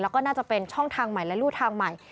แล้วก็น่าจะเป็นช่องทางใหม่และรูทางใหม่